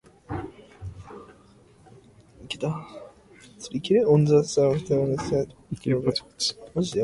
On the southern side are pubs, bars, retail and hotel units.